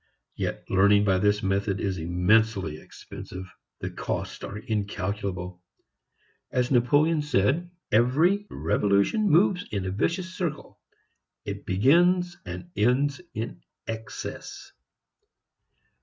Yet learning by this method is immensely expensive. The costs are incalculable. As Napoleon said, every revolution moves in a vicious circle. It begins and ends in excess.